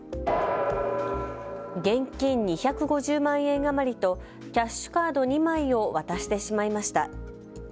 現金２５０万円余りとキャッシュカード２枚を渡してしまいました。